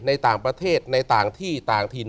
ในต่างประเทศในต่างที่ต่างถิ่น